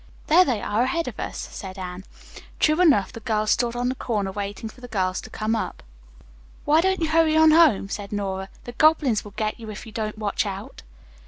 "There they are ahead of us," said Anne. True enough, the two girls stood on the corner waiting for the others to come up. "Why don't you hurry on home?" called Nora. "'The goblins will git you, ef you don't watch out.'"